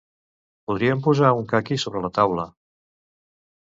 Podríem posar un caqui sobre la taula.